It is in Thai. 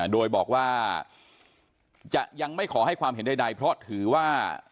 โดยบอกว่าจะยังไม่ขอให้ความเห็นใดเพราะถือว่า